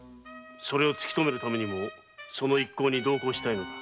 それを突き止めるためにも同行したいのだ。